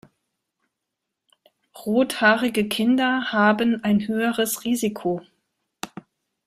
Rothaarige Kinder haben ein höheres Risiko.